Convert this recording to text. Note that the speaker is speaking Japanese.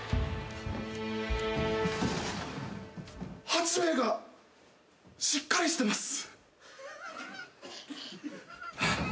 八兵衛がしっかりしてます。